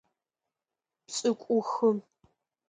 Пшӏыкӏухы.